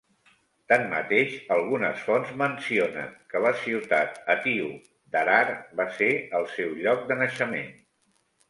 Tanmateix, algunes fonts mencionen que la ciutat etíop d'Harar va ser el seu lloc de naixement.